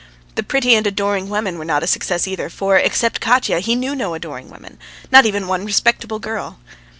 The pretty and adoring women were not a success either, for, except Katya, he knew no adoring woman, not even one respectable girl.